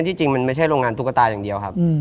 จริงมันไม่ใช่โรงงานตุ๊กตาอย่างเดียวครับ